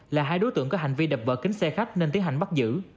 là hai đối tượng có hành vi đập vỡ kính xe khách nên tiến hành bắt giữ